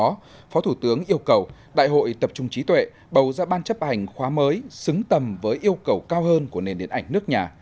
trong đó phó thủ tướng yêu cầu đại hội tập trung trí tuệ bầu ra ban chấp hành khóa mới xứng tầm với yêu cầu cao hơn của nền điện ảnh nước nhà